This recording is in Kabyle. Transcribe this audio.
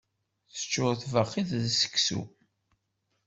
Teččuṛ tbaqit d seksu.